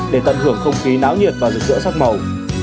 để tận hưởng không khí náo nhiệt và rửa sắc màu